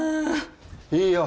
いいよ。